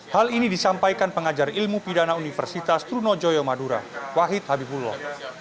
hal ini disampaikan pengajar ilmu pidana universitas trunojoyo madura wahid habibullah